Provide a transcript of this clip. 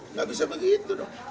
nggak bisa begitu dong